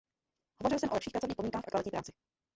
Hovořil jsem o lepších pracovních podmínkách a kvalitní práci.